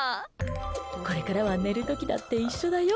これからは寝る時だって一緒だよ